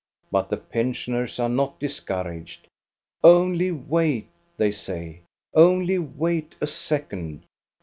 But the pensioners are not discouraged. "Only wait," they say; "only wait a second.